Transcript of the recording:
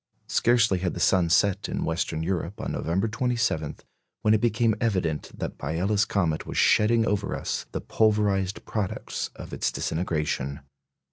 Scarcely had the sun set in Western Europe on November 27, when it became evident that Biela's comet was shedding over us the pulverised products of its disintegration.